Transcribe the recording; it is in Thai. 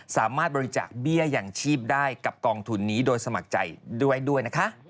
สามารถบริจาคเบี้ยอย่างชีพได้กับกองทุนนี้โดยสมัครใจด้วยนะคะ